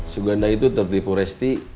suganda itu tertipu resti